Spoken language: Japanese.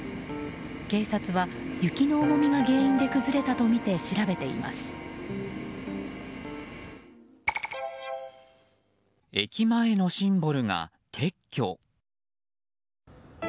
警察は雪の重みが原因で崩れたとみて調べています。